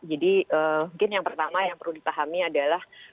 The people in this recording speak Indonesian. jadi mungkin yang pertama yang perlu dipahami adalah